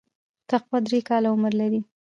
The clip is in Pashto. تقوا درې کاله عمر لري.